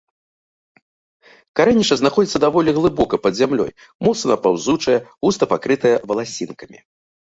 Карэнішча знаходзіцца даволі глыбока пад зямлёй, моцна паўзучае, густа пакрытае валасінкамі.